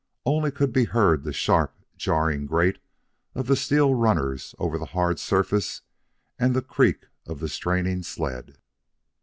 Only could be heard the sharp, jarring grate of the steel runners over the hard surface and the creak of the straining sled.